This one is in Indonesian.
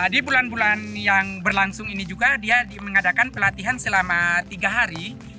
di bulan bulan yang berlangsung ini juga dia mengadakan pelatihan selama tiga hari